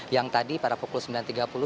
yang tadi pada pukul sembilan tiga puluh